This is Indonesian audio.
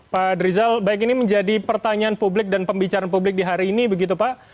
pak drizal baik ini menjadi pertanyaan publik dan pembicaraan publik di hari ini begitu pak